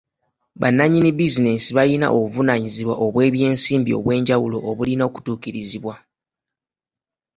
Bannannyini bizinesi bayina obuvunaanyizibwa bw'ebyensimbi obw'enjawulo obulina okutuukirizibwa.